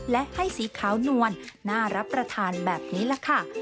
และให้สีขาวนวลน่ารับประทานแบบนี้แหละค่ะ